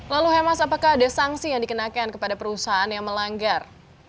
lalu hemas apakah ada sanksi yang dikenakan kepada perusahaan yang melanggar